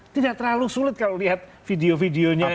tidak terlalu sulit kalau lihat video videonya